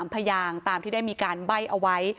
พยางตามที่ได้มีการใบ้เอาไว้